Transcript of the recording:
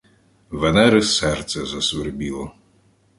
Венери серце засвербіло